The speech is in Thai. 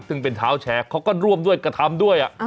ซึ่งเป็นเท้าแชร์เขาก็ร่วมด้วยกระทำด้วย